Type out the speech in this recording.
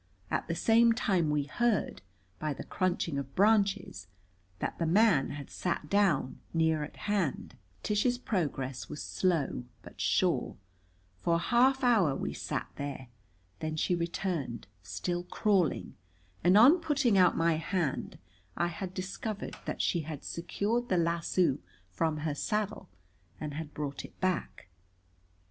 At the same time we heard, by the crunching of branches, that the man had sat down near at hand. Tish's progress was slow but sure. For a half hour we sat there. Then she returned, still crawling, and on putting out my hand I discovered that she had secured the lasso from her saddle and had brought it back.